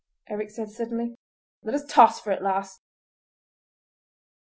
Eric said suddenly: "Let us toss for it, lass!"